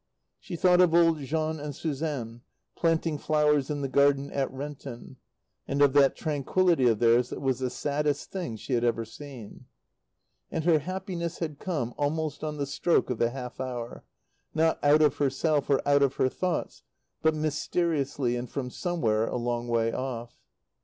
She thought of old Jean and Suzanne, planting flowers in the garden at Renton, and of that tranquillity of theirs that was the saddest thing she had ever seen. And her happiness had come, almost on the stroke of the half hour, not out of herself or out of her thoughts, but mysteriously and from somewhere a long way off.